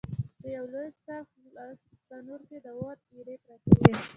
په یوه لوی سره خلاص تنور کې د اور ایرې پرتې وې.